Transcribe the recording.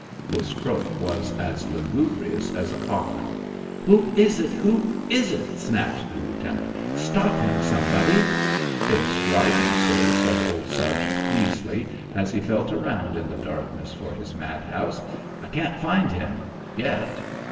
This croak was as lugubrious as a coffin. "Who is it? Who is it?" snapped the lieutenant. "Stop him, somebody." "It's Dryden, sir," said old Sergeant Peasley, as he felt around in the darkness for his madhouse. "I can't find him yet."